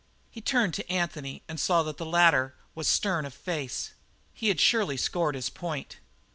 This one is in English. He turned to Anthony and saw that the latter was stern of face. He had surely scored his point.